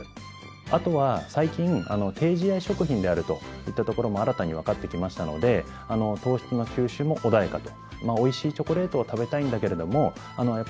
あとは最近、低ＧＩ食品であるといったところも新たにわかってきましたので糖質の吸収も穏やかと。